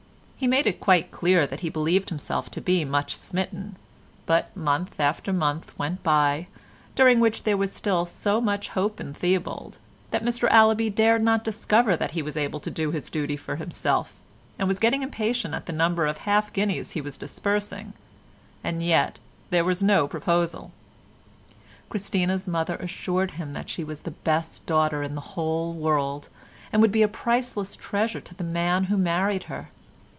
He made it quite clear that he believed himself to be much smitten, but month after month went by, during which there was still so much hope in Theobald that Mr Allaby dared not discover that he was able to do his duty for himself, and was getting impatient at the number of half guineas he was disbursing—and yet there was no proposal. Christina's mother assured him that she was the best daughter in the whole world, and would be a priceless treasure to the man who married her.